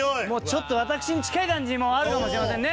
ちょっと私に近い感じもあるかもしれませんね。